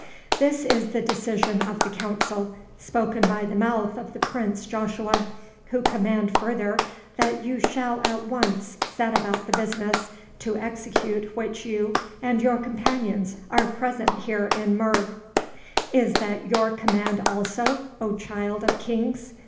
This is the decision of the Council, spoken by the mouth of the prince Joshua, who command further that you shall at once set about the business to execute which you and your companions are present here in Mur." "Is that your command also, O Child of Kings?"